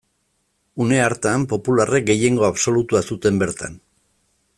Une hartan, popularrek gehiengo absolutua zuten bertan.